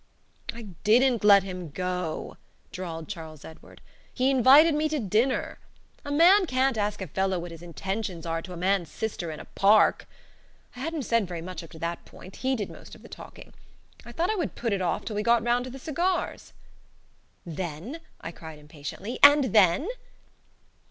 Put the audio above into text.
"I didn't let him go," drawled Charles Edward. "He invited me to dinner. A man can't ask a fellow what his intentions are to a man's sister in a park. I hadn't said very much up to that point; he did most of the talking. I thought I would put it off till we got round to the cigars." "Then?" I cried, impatiently, "and then?"